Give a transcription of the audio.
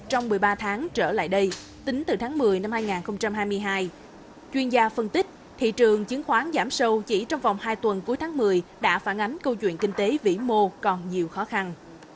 trong một mươi ba tháng trở lại đây tính từ tháng một mươi năm hai nghìn hai mươi hai chuyên gia phân tích thị trường chứng khoán giảm sâu chỉ trong vòng hai tuần cuối tháng một mươi đã phản ánh câu chuyện kinh tế vĩ mô còn nhiều khó khăn